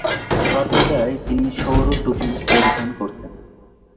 সর্বদাই তিনি সৌর টুপি পরিধান করতেন।